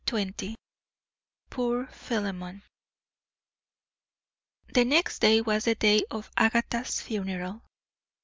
XIX POOR PHILEMON The next day was the day of Agatha's funeral.